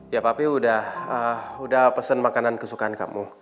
ya papi udah pesen makanan kesukaan kamu